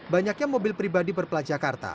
banyaknya mobil pribadi berplat jakarta